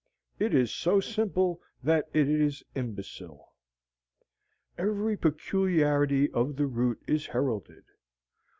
It is so simple that it is imbecile. Every peculiarity of the route is heralded.